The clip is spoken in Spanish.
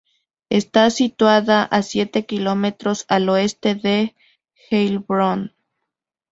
Está situada a siete kilómetros al oeste de Heilbronn.